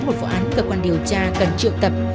một vụ án cơ quan điều tra cần triệu tập